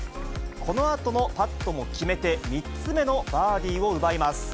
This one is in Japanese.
このあとのパットも決めて３つ目のバーディーを奪います。